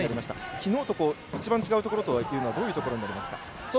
きのうと一番違うところというのはどういうところになりますか。